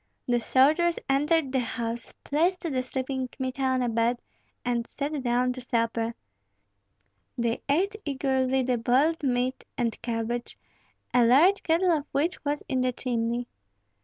The soldiers entered the house, placed the sleeping Kmita on a bed, and sat down to supper. They ate eagerly the boiled meat and cabbage, a large kettle of which was in the chimney.